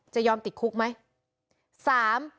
จะยอมติดคุกไหม